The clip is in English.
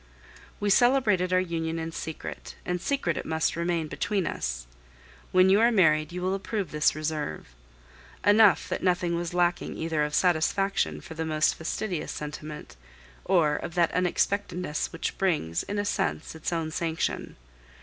We celebrated our union in secret, and secret it must remain between us. When you are married you will approve this reserve. Enough that nothing was lacking either of satisfaction for the most fastidious sentiment, or of that unexpectedness which brings, in a sense, its own sanction.